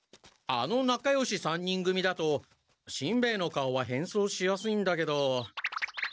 あのなかよし３人組だとしんべヱの顔は変装しやすいんだけど。